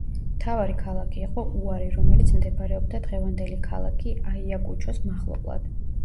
მთავარი ქალაქი იყო უარი, რომელიც მდებარეობდა დღევანდელი ქალაქი აიაკუჩოს მახლობლად.